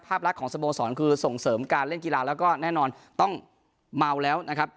รักของสโมสรคือส่งเสริมการเล่นกีฬาแล้วก็แน่นอนต้องเมาแล้วนะครับ